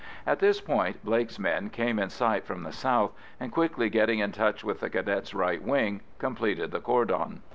At this point Blake's men came in sight from the south, and quickly getting in touch with the Cadets' right wing, completed the cordon.